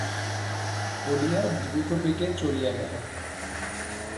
বলিয়া দ্রুতবেগে চলিয়া গেল।